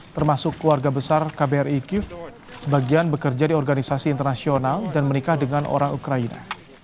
termasuk keluarga besar kbri kiev sebagian bekerja di organisasi internasional dan menikah dengan orang ukraina